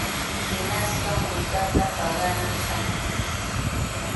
Hinaspa multata paganan kaq.